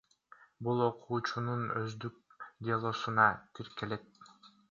Бул окуучунун өздүк делосуна тиркелет.